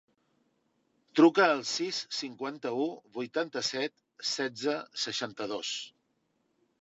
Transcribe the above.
Truca al sis, cinquanta-u, vuitanta-set, setze, seixanta-dos.